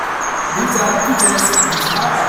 These are peaches, these are.